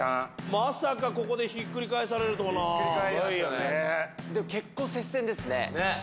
まさかここでひっくり返されるとはなあでも結構接戦ですねねえ